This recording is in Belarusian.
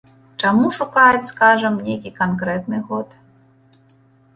Чаму шукаюць, скажам, нейкі канкрэтны год?